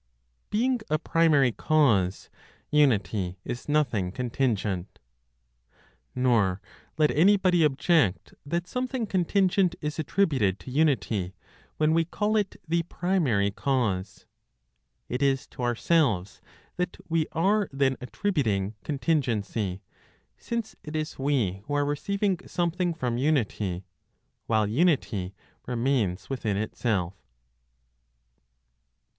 BEING A PRIMARY CAUSE, UNITY IS NOTHING CONTINGENT. Nor let anybody object that something contingent is attributed to Unity when we call it the primary cause. It is to ourselves that we are then attributing contingency, since it is we who are receiving something from Unity, while Unity remains within itself.